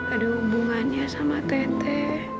ada hubungannya sama tete